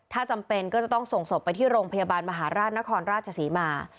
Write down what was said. ถ้าจำเป็นก็จะต้องส่งศพไปที่โรงพยาบาลมหาราชนครราชศรีมา